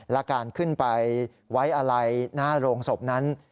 และการขึ้นไปไว้อะไรหน้าโรงศพนั้น